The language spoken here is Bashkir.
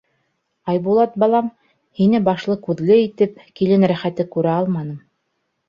— Айбулат балам, һине башлы-күҙле итеп, килен рәхәте күрә алманым.